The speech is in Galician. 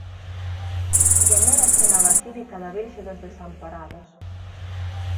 Venérase na Basílica da Virxe dos Desamparados.